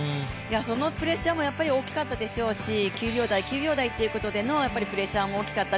そのプレッシャーも大きかったでしょうし９秒台、９秒台ということでのプレッシャーも大きかった。